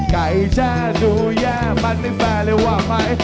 ไก่จะดูแย่มันไม่แฟร์เลยว่าไหม